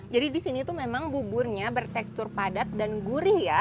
jadi di sini tuh memang buburnya bertekstur padat dan gurih ya